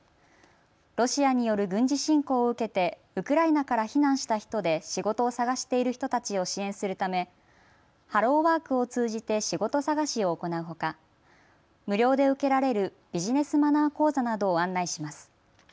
ロシアによる軍事侵攻を受けてウクライナから避難した人で仕事を探している人たちを支援するためハローワークを通じて仕事探しを行うほか無料で受けられるビジネスマナー講座などを案内します。